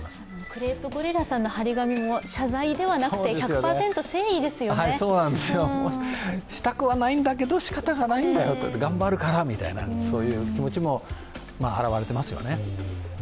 クレープゴリラさんの貼り紙も謝罪ではなくて１００％誠意ですよねしたくはないんだけれども、しかたがないんだよ、頑張るからみたいな、そういう気持ちも表れてますよね。